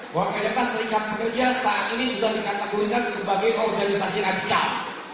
warga jatah seringkat pekerja saat ini sudah dikatamulikan sebagai organisasi radikal